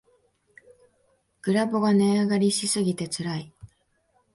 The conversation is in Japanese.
グラボが値上がりしすぎてつらい